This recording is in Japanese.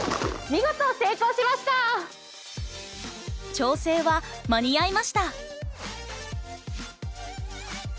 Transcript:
調整は間に合いました。